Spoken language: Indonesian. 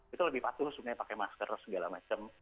itu lebih patuh sebenarnya pakai masker segala macam